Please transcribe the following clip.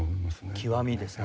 極みですね。